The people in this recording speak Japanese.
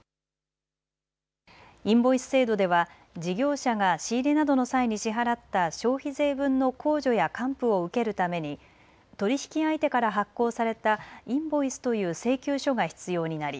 インボイス制度では事業者が仕入れなどの際に支払った消費税分の控除や還付を受けるために取引相手から発行されたインボイスという請求書が必要になり